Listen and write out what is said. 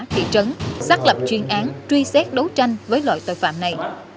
thị trấn xác lập chuyên án truy xét đấu tranh với loại tội phạm này